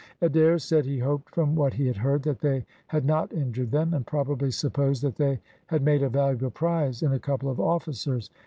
Adair said he hoped from what he had heard that they had not injured them, and probably supposed that they had made a valuable prize in a couple of officers.